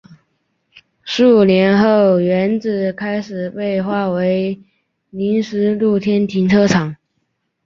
数年后原址开始被划为临时露天停车场。